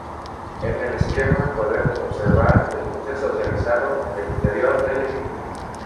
En el esquema podemos observar el proceso realizado en el interior del equipo.